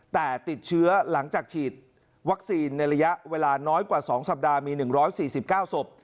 แต่ติดเชื้อหลังจากฉีดวัคซีนในระยะเวลาน้อยกว่าสองสัปดาห์มีหนึ่งร้อยสี่สิบเก้าสบ